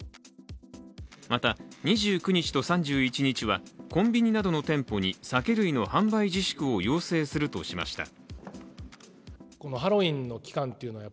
また、２９日と３１日は、コンビニなどの店舗に酒類の販売自粛を要請するとしました。